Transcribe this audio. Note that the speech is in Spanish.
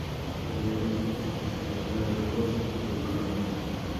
Periodista en la emisora La Voz de Colombia.